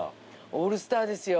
オールスターですよ。